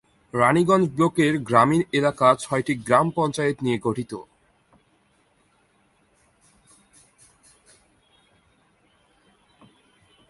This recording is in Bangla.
রানিগঞ্জ ব্লকের গ্রামীণ এলাকা ছয়টি গ্রাম পঞ্চায়েত নিয়ে গঠিত।